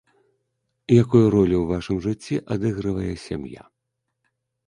Якую ролю ў вашым жыцці адыгрывае сям'я?